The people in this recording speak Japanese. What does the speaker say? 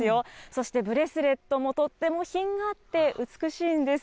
そして、ブレスレットもとっても品があって美しいんです。